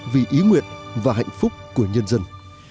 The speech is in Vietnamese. vì ý nguyện và hạnh phúc của nhân dân